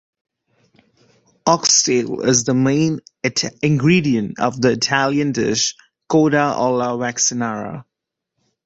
Oxtail is the main ingredient of the Italian dish "coda alla vaccinara".